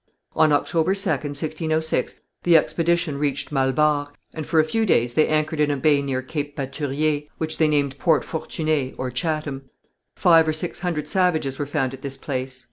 On October 2nd, 1606, the expedition reached Mallebarre, and for a few days they anchored in a bay near Cape Batturier, which they named Port Fortuné (Chatham). Five or six hundred savages were found at this place.